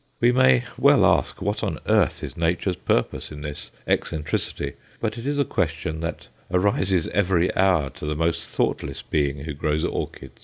We may well ask what on earth is Nature's purpose in this eccentricity; but it is a question that arises every hour to the most thoughtless being who grows orchids.